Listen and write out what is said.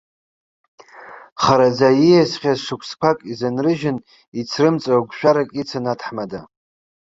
Хараӡа ииасхьаз шықәсқәак изынрыжьын, ицрымҵуа гәшәарак ицын аҭаҳмада.